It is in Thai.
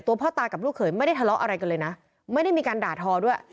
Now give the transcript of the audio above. พ่อตากับลูกเขยไม่ได้ทะเลาะอะไรกันเลยนะไม่ได้มีการด่าทอด้วย